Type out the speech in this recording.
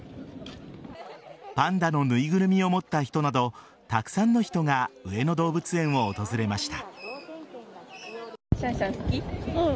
パンダの縫いぐるみを持った人などたくさんの人が上野動物園を訪れました。